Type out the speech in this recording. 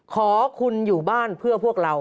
ขอคุณอยู่บ้านเพื่อพวกเรา